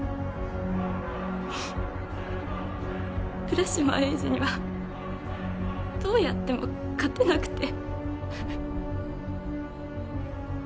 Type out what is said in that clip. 浦島エイジにはどうやっても勝てなくて。